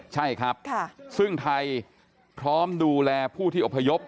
ใช่ครับซึ่งไทยพร้อมดูแลผู้ที่อพยพ